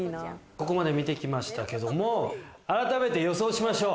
ここまで見てきましたけども、改めて予想しましょう。